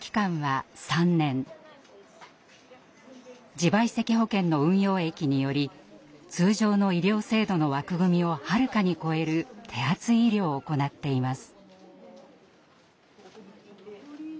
自賠責保険の運用益により通常の医療制度の枠組みをはるかに超える手厚い医療を行っています。